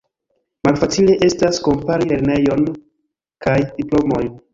Malfacile estas kompari lernejojn kaj diplomojn.